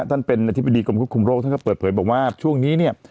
ท่านเป็นอธิบดีกรมควบคุมโรคท่านก็เปิดเผยบอกว่าช่วงนี้เนี่ย